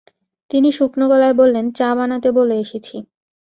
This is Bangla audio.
তিনি শুকনো গলায় বললেন, চা বানাতে বলে এসেছি।